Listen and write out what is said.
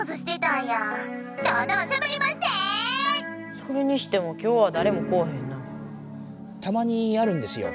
それにしても今日はだれも来うへんな。たまにあるんですよ。